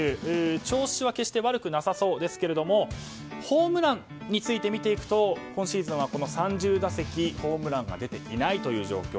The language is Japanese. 調子は決して悪くなさそうですけどホームランについて見ていくと今シーズンは３０打席ホームランが出ていない状況。